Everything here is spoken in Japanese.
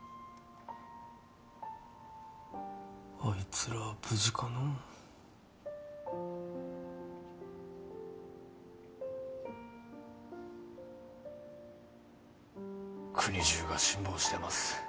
あいつらは無事かの国中が辛抱してます